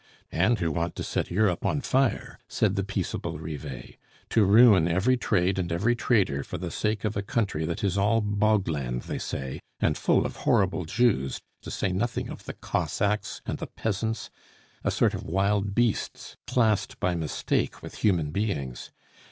"And who want to set Europe on fire," said the peaceable Rivet, "to ruin every trade and every trader for the sake of a country that is all bog land, they say, and full of horrible Jews, to say nothing of the Cossacks and the peasants a sort of wild beasts classed by mistake with human beings.